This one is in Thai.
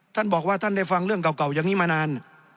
ท่านบอกว่าท่านได้ฟังเรื่องเก่าอย่างนี้มานาน